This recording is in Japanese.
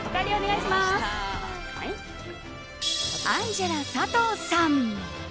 アンジェラ佐藤さん。